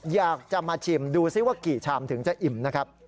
อยากจะมาชิมดูซิว่ากี่ชามถึงจะอิ่มนะครับ